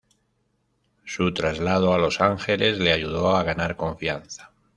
Su traslado a Los Ángeles le ayudó a ganar confianza.